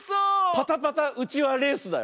パタパタうちわレースだよ。